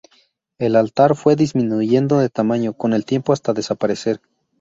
El altar fue disminuyendo de tamaño con el tiempo hasta desaparecer.